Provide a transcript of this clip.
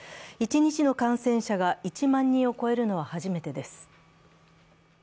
一日の感染者が１万人を超えるのは初めてです。